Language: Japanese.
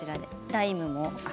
ライムも。